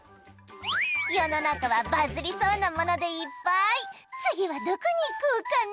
世の中はバズりそうなものでいっぱい次はどこに行こうかな